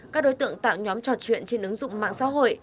các đối tượng tạo nhóm trò chuyện trên ứng dụng mạng xã hội